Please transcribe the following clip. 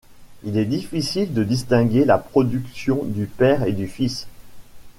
Il est difficile de distinguer la production du père et du fils.